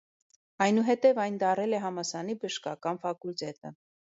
Այնուհետև այն դառել է համալսարանի բժշկական ֆակուլտետը։